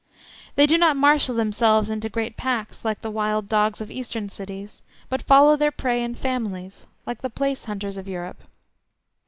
They do not marshal themselves into great packs like the wild dogs of Eastern cities, but follow their prey in families, like the place hunters of Europe.